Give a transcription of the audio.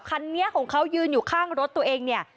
คันนี้ของเขายืนอยู่ข้างรถตัวเองเนี่ย